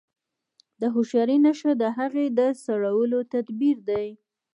د هوښياري نښه د هغې د سړولو تدبير دی.